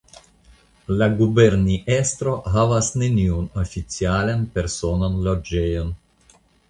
La guberniestro havas neniun oficialan personan loĝejon.